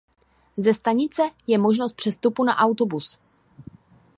Ze stanice je možnost přestupu na autobus.